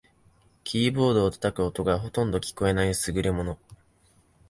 キーボードを叩く音がほとんど聞こえない優れもの